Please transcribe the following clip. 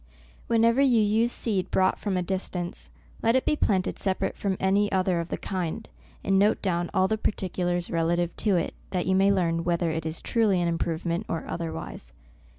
Whenever you use seed brought from a distance, let it be planted separate Irom any other of the kind, and note down all the par ticulars relative to it, that you may learn whether it is truly an improvement or other wise.